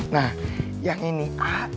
nah yang ini a